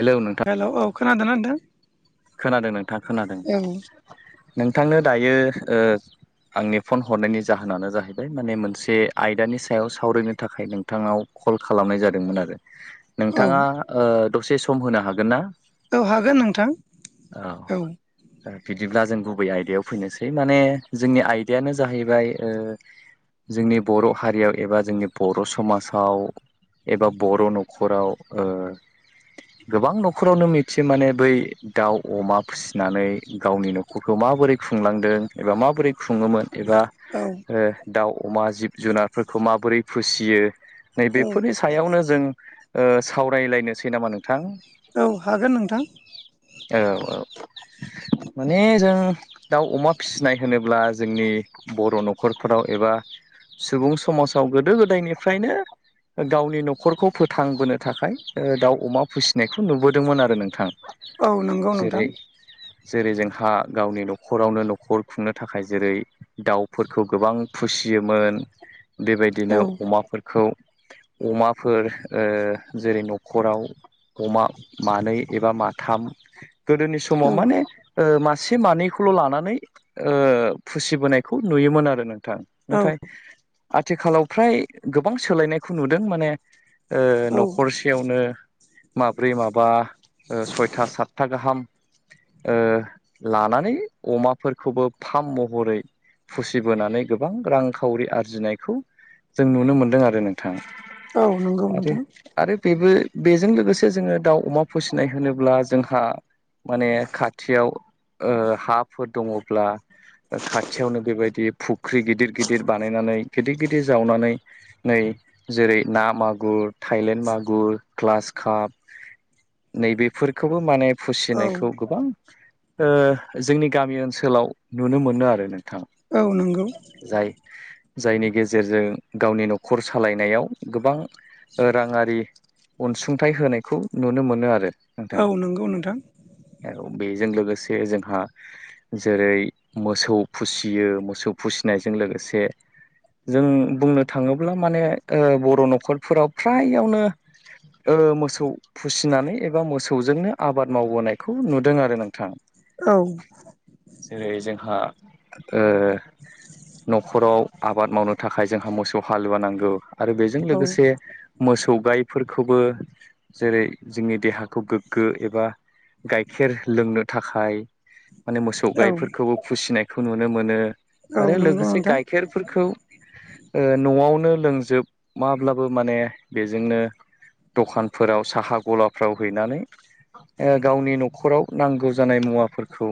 Hello नोंथां hello औ खोनादों ना नोंथां। खोनादों नोंथाङ खोनादों औ नोंथांनो दायो ओ आंनि फन हरनायनि जाहोनानो जाहैबाय माने मोनसे आयदानि सायाव सावरायनो थाखाय नोंथांनाव कल खालामनाय जादोंमोन आरो औ नोंथाङा ओ दसे सम होनो हागोन ना? औ हागोन नोंथां। औ बिदि दा जों गुबै आयदायाव फैनोसै माने जोंनि आयदायानो जाहैबाय ओ जोंनि बर' हारियाव एबा जोंनि बर' समाजाव एबा बर' न'खराव ओ गोबां न'खरावनो मिथियो माने बै दाउ अमा फिसिनानै गावनि न'खरखौ माबोरै खुंलांदों एबा माबोरै खुङोमोन एबा औ ओ दाउ अमा जिब जुनारफोरखौ माबोरै फोसियो औ नैबेफोरनि सायावनो जों ओ सावरायलायनोसै नामा नों औ हागोन नोंथां। औ औ। माने जों दाउ अमा फिसिनाय होनोब्ला जोंनि बर' न'खरफोराव एबा सुबुं समाजाव गोदो गोदायनिफ्रायनो गावनि न'खरखौ फोथांबोनो थाखाय ओ दाउ अमा फिसिनायखौ नुबोदोंमोन आरो नोंथां। औ नंगौ नोंथां। जेरै जेरै जोंहा गावनि न'खरावनो न'खर खुंनो थाखाय जेरै दाउफोरखौ गोबां फुसि‌ सियोमोन औ बेबायदिनो अमाफोरखौ, अमाफोर ओ जेरै न'खराव अमा मानै एबा माथाम गोदोनि समाव औ माने ओ मा से मानैखौल' लानानै ओ फुसिबोनायखौ नुयोमोन आरो नों थां औ नाथाय आथिखालाव फ्राय गोबां सोलायनायखौ नुदों माने ओ न'खरसेयावनो माब्रै माबा ओ सय था गाहाम ओ लानानै अमाफोरखौबो फाम महरै फुसिबोनानै गोबां रांखावरि आरजिनायखौ जों नुनो मोनदों आरो नोंथां औ नंगौ आरो नोंथां। आरो बेबो बेजों लोगोसे जोङो दाउ अमा फिसिनाय होनोब्ला जोंहा माने खाथियाव ओ हाफोर दङ'ब्ला खाथियावनो बेबायदि फुख्रि गिदिर गिदिर बानायनानै गिदिर गिदिर जावनानै नै जेरै ना मागुर थाइलेण्ड मागुर क्लास काप नै बेफोरखौबो माने औ फुसिनायखौ गोबां ओ जोंनि गामि ओनसोलाव नुनो मोनो आरो नों थां औ नंगौ जाय जायनि गेजेरजों गावनि न'खर सालायनायाव गोबां ओ राङारि अनसुंथाइ होनायखौ नुनो मोनो आरो । औ नंगौ नोंथां । औ बेजों लोगोसे जोंहा जेरै मोसौ फुसियो मोसौ फुसिनायजों लोगोसे जों बुंनो थाङोब्ला माने ओ बर' न'खरफोराव फ्रायआवनो ओ मोसौ फुसिनानै एबा मोसौजोंनो आबाद मावबोनायखौ नुदों आरो नोंथां औ । जेरै जोंहा ओ न'खराव आबाद मावनो थाखाय जोंहा मोसौ हालुवा नांगौ आरो बेजों औ लोगोसे मोसौ गायफोरखौबो जेरै जोंनि देहाखौ गोग गो एबा गाइखेर लोंनो थाखाय माने मोसौ औ गायफोरखौबो फुसिनायखौ नुनो मोनो औ आरो नंगौ लोगोसे नोंथां गाइखेरफोरखौ ओ न'आवनो लोंजोब माब्लाबो माने बेजोंनो दखानफोराव साहा गलाफ्राव हैनानै ओ गावनि न'खराव नांगौ जानाय मुवाफोरखौ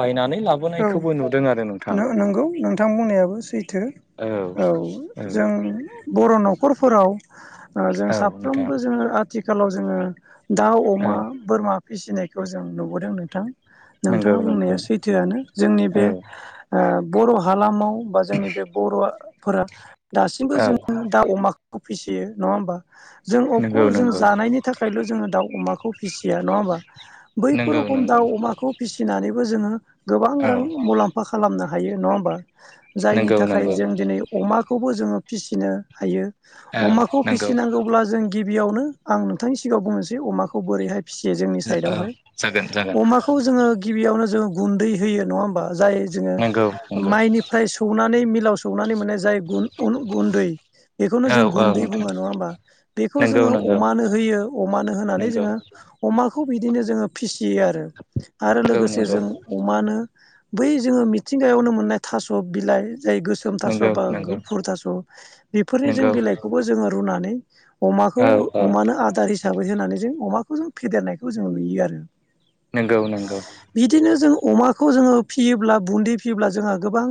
बायनानै लाबोनायखौबो नुदों आरो । नो नंगौ नोंथां बुंनायाबो सैथो औ । औ जों बर' न'खरफोराव ओ जों औ नोंथां साफ्रोमबो जोङो आथिखालाव जोङो औ दाउ-अमा बोरमा फिसिनायखौ जों नुबोदों नोंथां । नंगौ नोंथाङा नंगौ बुंनाया सैथोआनो । जोंनि बे औ आ बर' हालामाव बा जोंनि बे बर' फोरा दासिम बो औ जोङो दाउ-अमा खौ फिसियो नंङा होमबा जों नंगौ अखल जों नंगौ जानायनि थाखायल‌जोंङो दाउ-अमाखौ फिसिया नङा होमबा बैफोर नंगौ रखम नंगौ दाउ-अमाखौ फिसिनानैबो जोङो गोबां औ रां मुलाम्फा खालामनो हायो नङा होमबा जायनि नंगौ थाखाय नंगौ जों दिनै अमा खौबो जोङो फिसिनो हायो औ अमाखौ नंगौ फिसिनांगौब्ला जों गिबियावनो आं नोंथांनि सिगाङाव बुंनोसै अमाखौ बोरैहाय फिसियो जोंनि औ साइडावहाय जागोन जागोन अमाखौ जोङो गिबियावनो जोङो गुन्दै होयो नङा होमबा? जाय जोङो नंगौ नंगौ माइनिफ्राय सौनानै मिलाव सौनानै मोन्नाय जाय गुन उन गुन्दै बेखौनो औ जों औ गुन्दै नोंथां बुङो नङा होमबा बेखौ नंगौ जोङो नंगौ अमानो होयो अमानो होनानै नंगौ जोङो अमाखौ बिदिनो जोङो फिसियो आरो। आरो नंगौ लोगोसे जों नंगौ अ बै जोङो मिथिंगायावनो मोननाय थास' बिलाइ जाय गोसोम थास' नंगौ बा नंगौ गुफुर थास' बेफोरनि जों नंगौ बिलाइखौबो जोङो रुनानै अमाखौ औ औ अमानो आदार हिसाबै होनानै जों अमाखौ जों फेदेरनायखौ जों नुयो आरो । नोंगौ-नोंगौ । [inaudible] माखौ जोङो फियोब्ला बुन्दि फियोब्ला जोंहा गोबां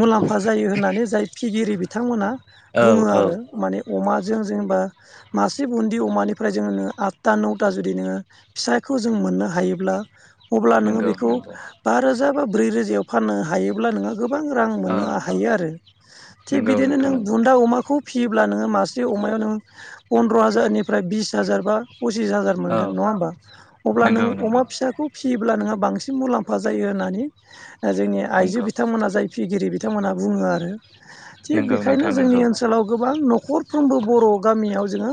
मुलाम्फा जायो होननानै जाय फिगिरि बिथांमोना औ बुङो औ आरो माने अमाजों जेनेबा मासे बुन्दि अमानिफ्राय जोंनो आतटा नौटा जुदि नोङो फिसा खौ जों मोननो हायोब्ला अब्ला नोङो नंगौ बेखौ नंगौ बा रोजा बा ब्रै रोजायाव फाननो हायोब्ला नोंङो गोबां रां मोननो औ हायो आरो । थिग नंगौ बिदिनो नोंथां नों नंगौ बुन्दा अमाखौ फिर योब्ला नोङो मासे अमायाव नों पन्द्र' हाजारनिफ्राय बिस हाजार बा पसिस हाजार औ मोनगोन नङा होमबा अब्ला नों नंगौ नंगौ अमा फिसाखौ फिसियोब्ला नोंङो बांसिन मुला फा जायो होननानै ओ जोंनि आइजो नंगौ बिथांमोना जाय फिगिरि बिथांमोना बुङो आरो । थिग नंगौ बेखायनो नोंथां जोंनि नंगौ ओनसोलाव गोबां न'खरफ्रोमबो बर' गामियाव जोङो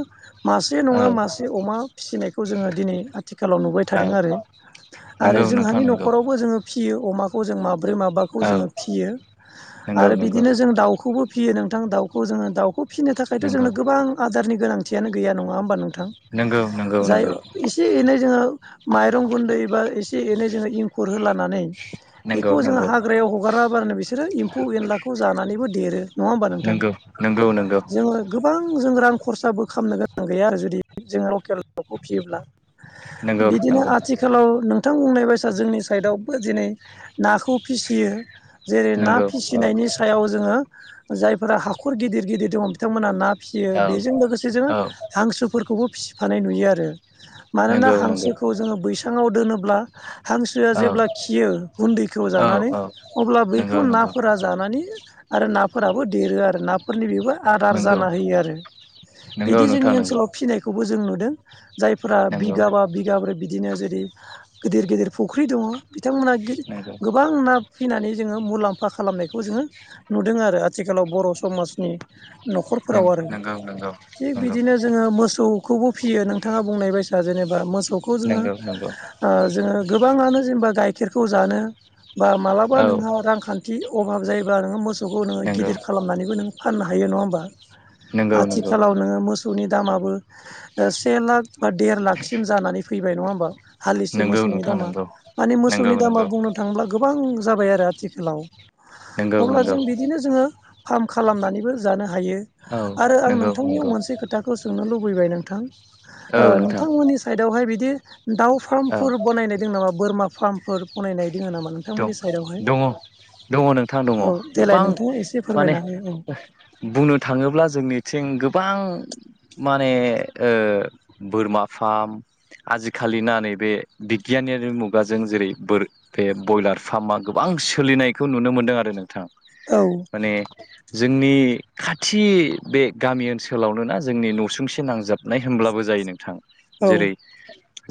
मासे औ नङा मासे अमा फिसिनायखौ जोङो दिनै आथिखालाव नुबाय औ थादों आरो । नंगौ नोंथां नंगौ न'खरावबो जोंङो फियो अमाखौ जों माब ब्रै माबाखौ औ जोङो फियो नंगौ आरो नंगौ बिदिनो जों दाउखौबो फियो नोंथां दाउखौ जोङो दाउखौ फिनो थाखायथ' नंगौ जोंनो गोबां आदारनि गोनांथियानो गैया नङा होमबा नों थां नंगौ नंगौ जाय नंगौ एसे-एनै जोङो माइरं गुन्दै एबा एसे एनै जोङो इंखुर होलानानै नंगौ बेखौ जोङो नंगौ हाग्रायाव हगारा होमबानो बिसोरो एम्फौ एनलाखौ जानानैबो देरो नङा होमबा नोंथां नंगौ नंगौ नंगौ जोङो गोबां जों रां खरसाबो खालामामनो गोनां गैया आरो जुदि जोंङो लकेल दाउखौ फियोब्ला नंगौ बिदिनो नंगौ आथिखालाव नोंथां बुंनाय बायसा जोंनि साइदआवबो दिनै नाखौ फिसियो जेरै ना नंगौ औ फिसिनायनि सायाव जोंङो जायफोरा हाखर गिदिर-गिदिर दङ बिथांमोना ना फिसियो औ बेजों लोगोसे जोङो औ हांसोफोरखौबो फिसिफानाय नुयो‌ आरो। मानोना नंगौ नंगौ हांसोखौ जोङो बैसांङाव दोनोब्ला हां सोआ औ जेब्ला खियो गुन्दैखौ औ जानानै औ अब्ला बैखौ नंगौ नंगौ नाफोरा जानानै आरो नाफोराबो देरो आरो नाफोरनि बेबो आदार नंगौ जाना होयो आरो । नंगौ बिदि नोंथां जोंनि नंगौ ओनसोलाव फिनायखौबो जों नुदों। जायफोरा नंगौ बिगाबा बिगाब्रै बिदिनो जेरै गिदिर-गिदिर फुख्रि दङ बिथांमोना गि नंगौ गोबां ना फिनानै जोङो मुलाम्फा खालामनायखौ जोङो नुदों आरो आथिखालाव बर' समाजनि न'खरफोराव आरो। नंगौ नंगौ थिग नंगौ बिदिनो जोङो मोसौ खौबो फियो नोंथाङा बुंनाय बायसा जेनेबा मोसौखौ जोङो नंगौ नंगौ ओ जोङो गोबाङानो जेनेबा गाइखेरखौ जानो बा मालाबा औ नोंहा रांखान्थि अभाब जायोबा नोङो मोसौखौ नोङो नंगौ गिदिर खालामनानैबो नों फाननो हायो नङा होमबा? नंगौ नंगौ आथिखालाव नोङो मो सौनि दामाबो ओ से लाख बा देर लाखसिम जानानै फैबाय नङा होमबा। हालिसे नंगौ मोसौनि नोंथां दामा नंगौ माने नंगौ मोसौनि दामा नंगौ बुंनो थांब्ला गो बां जाबाय आरो आथिखालाव नंगौ अब्ला नंगौ जों बिदिनो जोङो फार्म खालामनानैबो जानो हायो औ आरो आं नंगौ नोंथांनियाव नंगौ मोनसे खोथाखौ सोंनो लुबै बाय नोंथां औ नोंथां नोंथांमोननि साइदावहाय बिदि दाउ औ फार्मफोर बानायनाय दों नामा? बोरमा फार्मफोर बानायनाय दोङो नामा दं नोंथांमोननि साइदावहाय? दङ दङ नोंथां दङ। गोबां एसे माने फोरमायना हो बुंनो थाङोब्ला जोंनिथिं गो बां माने ओ बोरमा फार्म आजिखालिना नैबे बिगियानारि मुगाजों जेरै बोर बे बयलार फार्मा गोबां सोलिनायखौ नुनो मोनदों आरो नोंथां। औ माने जोंनि खाथि बे गामि ओनसोलावनो ना जोंनि न'सुंसे नांजाब नाय होनोमब्लाबो जायो नोंथां। औ जेरै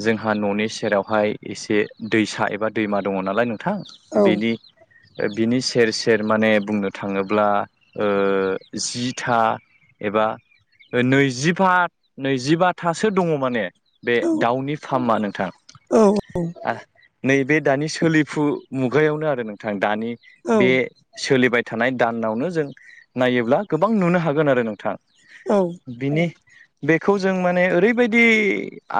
जोंहा न'नि सेराव हाय एसे दैसा एबा दैमा दङ नालाय नोंथां औ बेनि ओ बिनि सेर सेर माने बुंनो थाङोब्ला ओ जिथा एबा नैजिबा नैजिबाथासो दङ माने। बे औ दाउनि फार्मा नोंथां औ ओ नैबे दानि सो सोलिफु मुगायावनो आरो नोंथां दानि बे सोलिबाय थानाय दानावनो जों नायोब्ला गोबां नुनो हागोन आरो नोंथां। औ बिनि बेखौ जों माने ओरैबायदि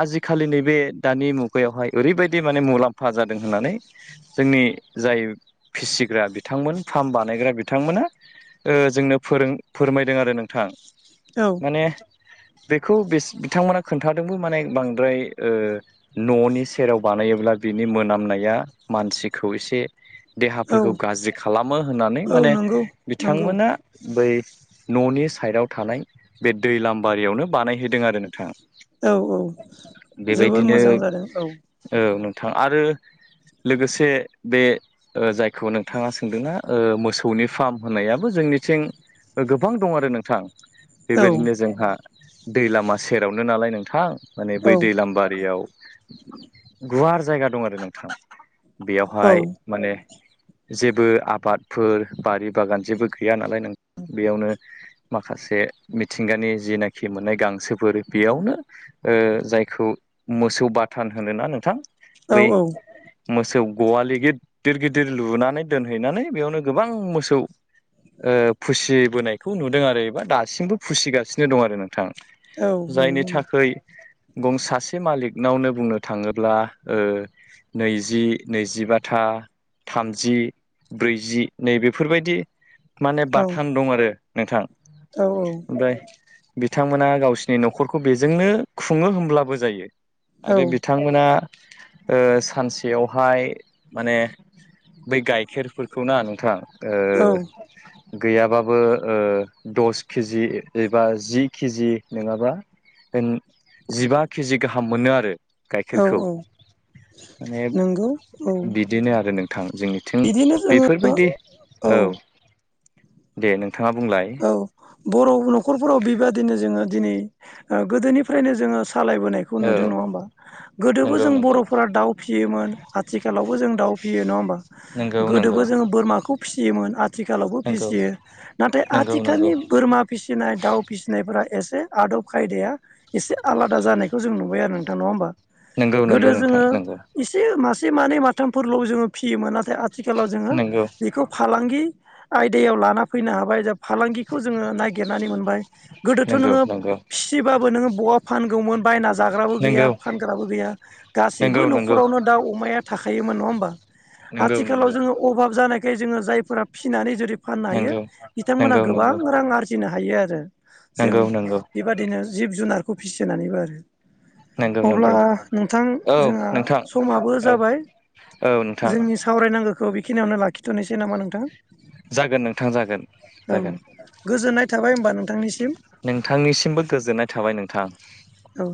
आजिखालि नैबे दानि मुगायावहाय ओरैबायदि माने मु लाम्फा जादों होननानै जोंनि जाय फिसिग्रा बिथांमोन फार्म बानायग्रा बिथांमोना ओ जोंनो फोरों फोरमायदों आरो नोंथां औ माने बेखौ बिस बिथांमोना खोन्थादोंबो माने बांद्राय ओ न'नि सेराव बानायोब्ला बिनि मोनामनाया मानसिखौ एसे औ देहाफोरखौ गाज्रि खालामो होननानै औ माने नंगौ नंगौ बिथांमोना बै न'नि साइडाव थानाय बे दैलाम बारियावनो बानायहैदों आरो नोंथां। औ औ जोबोर बेबायदिनो मोजां जादों औ ओ नोंथां आरो लोगोसे बे ओ जायखौ नोंथाङा सोंदोंना ओ मोसौनि फार्म होननायाबो जोंनि बिथिं गोबां दं आरो नोंथां औ बेबायदिनो जोंहा दैलामा सेरावनो नालाय नोंथां माने औ बै दैलाम बारियाव गुवार जायगा दं आरो नोंथां। बेयावहाय माने जेबो आबाद फोर बारि बागान जेबो गैया नालाय नों बेयावनो माखासे मिथिंगानि जिनाखि मोननाय गांसोफोर बेयावनो ओ जायखौ मोसौ बाथान होनो ना नोंथां? औ बै औ। मोसौ गवालि गिददिर गिदिर लुनानै दोनहैनानै बेयावनो गोबां मोसौ ओ फुसिबोनायखौ नुदों आरो एबा दासिमबो फुसिगासिनो दं आरो नों थां औ जायनि नंगौ थाखाय गं सासे मालिक नावनो बुंनो थाङोब्ला ओ नै जि नैजिबाथा थामजि ब्रैजि नैबेफोरबायदि माने औ बाथान दं आरो नोंथां। ओमफाय बिथांमोना गावसिनि न'खरखौ बेजोंनो खुङो होमब्लाबो जायो। औ आरो बिथांमोना ओ सान सेयावहाय माने बै गाइखेरफोरखौ ना नोंथां औ ओ गैयाबाबो ओ दस खिजि एबा जि खिजि नोङाबा होन जिबा खेजि गाहाम मोनो आरो। औ गाइखेरखौ औ माने नंगौ औ बिदिनो आरो नों थां। जोंनिथिं बिदिनो जोङो बेफोरबायदि औ दे नों औ बर' न'खरफोराव बेबादिनो जोङो दिनै ओ गोदोनिफ्रायनो जोङो सालायबोनायखौ औ नुदों नङा होमबा गोदोबो नंगौ जों नंगौ बर'फोरा दाउ फियोमोन। आथिखालावबो जों दाउ फियो नङा होमबा नंगौ नंगौ गोदोबो जों बोरमाखौ फिसियोमोन आथिखालावबो नंगौ फिसियो। नाथाय आ नंगौ नंगौ थिखालनि बोरमा फिसिनाय दाउ फिसिनायफ्रा एसे आदब खायदाया एसे आलादा जानायखौ जों नुबाय आरो नोंथां नङा होमबा? नंगौ गोदो नंगौ नोंथां जोङो नंगौ इसे मास से मानै माथामफोरल' जोङो फियोमोन नाथाय आथिखालाव जोङो नंगौ बेखौ फालांगि आयदायाव लाना फैनो हाबाय जा फालांगिखौ जोङो नायागिरनानै मोनबाय। गोदोथ' नंगौ नोङो नंगौ फिसिबाबो नोङो बहा फानगौमोन बायना जाग्राबो गैया नंगौ फानग्राबो गैया गासैबो नंगौ नंगौ न'खरावनो दाव अमाया थाखायोमोन नङा होमबा? नंगौ नंगौ आथिखालाव जोङो अभाब जानायखाय जोङो जायफोरा फिनानै जुदि फाननो हायो नंगौ बिथांमोना नंगौ नंगौ गोबां नंगौ रां आरजिनो हायो आरो जों नंगौ बेबदिनो जिब- जुनार खौ फिसिनानैबो आरो। नंगौ अब्ला नंगौ नोंथां औ जोंहा नोंथां समाबो औ जाबाय। औ नोंथां जोंनि सावरायनांगोखो बेखिनियावनो लाखिथ'नोसै नामा नोंथां? जागोन नोंथां जागोन। औ जागोन गोजोननाय थाबाय होमबा नोंथांनि नोंथांनिसिमबो गोजोननाय थाबाय नोंथां। औ।